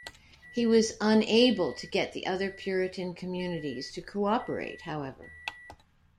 He was unable to get the other Puritan communities to cooperate, however.